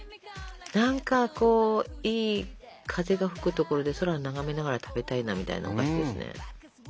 何かこういい風が吹く所で空を眺めながら食べたいなみたいなお菓子ですね。